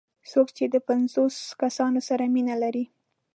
څوک چې د پنځوسو کسانو سره مینه لري.